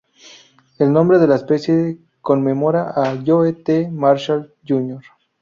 El nombre de la especie conmemora a Joe T. Marshall, Jr.